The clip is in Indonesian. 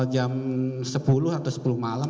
jam sepuluh atau sepuluh malam